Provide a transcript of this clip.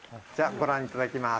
ご覧いただきます。